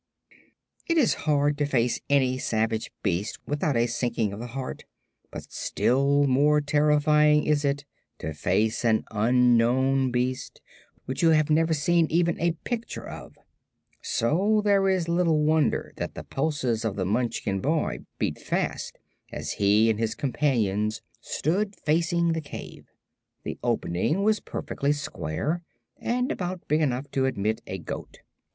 It is hard to face any savage beast without a sinking of the heart, but still more terrifying is it to face an unknown beast, which you have never seen even a picture of. So there is little wonder that the pulses of the Munchkin boy beat fast as he and his companions stood facing the cave. The opening was perfectly square, and about big enough to admit a goat.